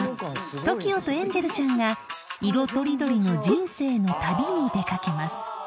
［ＴＯＫＩＯとエンジェルちゃんが色とりどりの人生の旅に出掛けます］